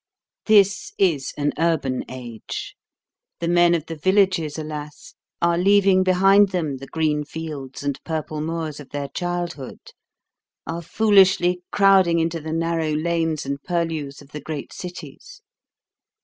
This is an urban age. The men of the villages, alas, are leaving behind them the green fields and purple moors of their childhood, are foolishly crowding into the narrow lanes and purlieus of the great cities.